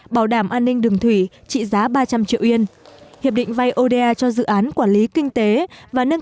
bảo đảm an ninh đường thủy trị giá ba trăm linh triệu yên